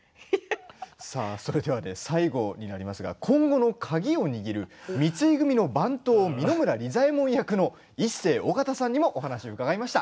最後になりますが今後の鍵を握る三井組の番頭三野村利左衛門役のイッセー尾形さんにもお話を伺いました。